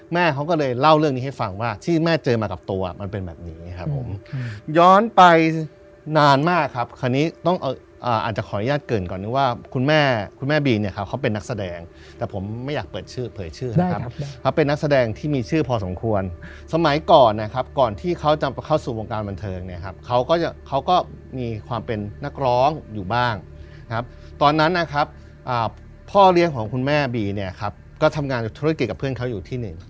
แม่เขาก็เลยเล่าเรื่องนี้ให้ฟังว่าที่แม่เจอมากับตัวมันเป็นแบบนี้ครับผมย้อนไปนานมากครับคนนี้ต้องอาจจะขออนุญาตเกินก่อนว่าคุณแม่คุณแม่บีเนี่ยครับเขาเป็นนักแสดงแต่ผมไม่อยากเปิดชื่อเผยชื่อนะครับเป็นนักแสดงที่มีชื่อพอสมควรสมัยก่อนนะครับก่อนที่เขาจะเข้าสู่วงการบรรเทิงเนี่ยครับเขาก็จะเขาก็มี